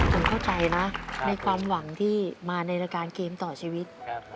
ผมเข้าใจนะในความหวังที่มาในรายการเกมต่อชีวิต